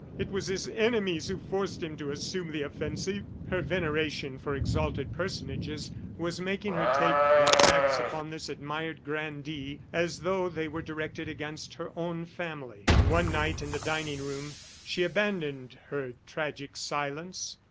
It was his enemies who forced him to assume the offensive." Her veneration for exalted personages was making her take the attacks upon this admired grandee as though they were directed against her own family. One night in the dining room, she abandoned her tragic silence.